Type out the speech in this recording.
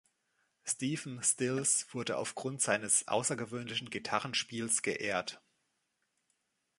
Stephen Stills wurde aufgrund seines außergewöhnlichen Gitarrenspiels geehrt.